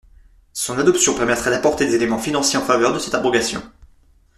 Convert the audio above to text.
Son adoption permettrait d’apporter des éléments financiers en faveur de cette abrogation.